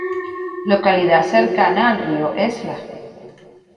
Localidad cercana al río Esla.